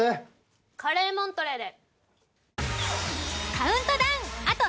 カレーモントレーで。